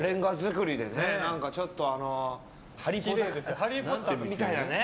「ハリー・ポッター」みたいな。